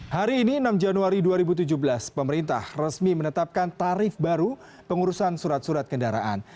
hari ini enam januari dua ribu tujuh belas pemerintah resmi menetapkan tarif baru pengurusan surat surat kendaraan